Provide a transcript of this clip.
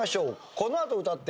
このあと歌って。